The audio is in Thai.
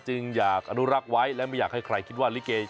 จึงอยากอนุรักษ์ไว้และไม่อยากให้ใครคิดว่าลิเก